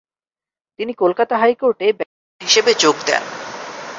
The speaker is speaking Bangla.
তিনি কলকাতা হাইকোর্টে ব্যারিস্টার হিসেবে যোগ দেন।